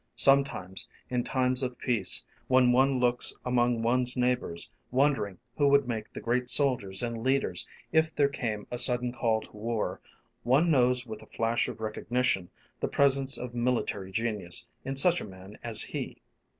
Sometimes, in times of peace, when one looks among one's neighbors wondering who would make the great soldiers and leaders if there came a sudden call to war, one knows with a flash of recognition the presence of military genius in such a man as he.